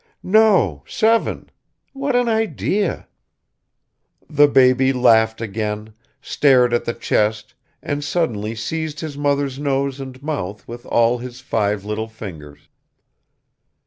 "No, seven. What an idea!" The baby laughed again, stared at the chest and suddenly seized his mother's nose and mouth with all his five little fingers.